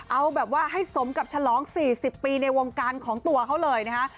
เอาแบบว่าให้สมกับฉลอง๔๐ปีในวงการของตัวเขาเลยนะคะ